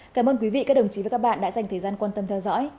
cảm ơn quý vị các đồng chí và các bạn đã dành thời gian quan tâm theo dõi